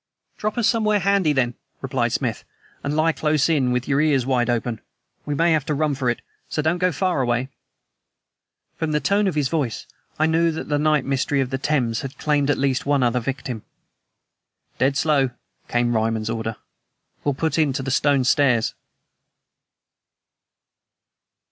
"Drop us somewhere handy, then," replied Smith, "and lie close in, with your ears wide open. We may have to run for it, so don't go far away." From the tone of his voice I knew that the night mystery of the Thames had claimed at least one other victim. "Dead slow," came Ryman's order. "We'll put in to the Stone Stairs."